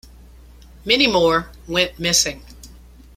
Many more went missing.